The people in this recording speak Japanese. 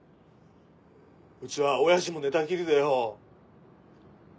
うちは親父も寝たきりでよ。